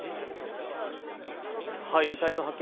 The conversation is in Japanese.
遺体の発見